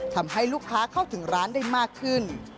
ทำให้ลูกค้าเข้าถึงร้านได้มากขึ้น